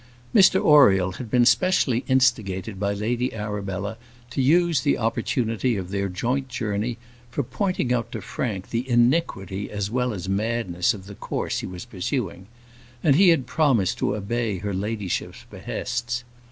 Mr Oriel had been specially instigated by Lady Arabella to use the opportunity of their joint journey, for pointing out to Frank the iniquity as well as madness of the course he was pursuing; and he had promised to obey her ladyship's behests.